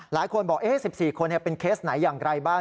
หลายคนบอก๑๔คนเป็นเคสไหนอย่างไรบ้าง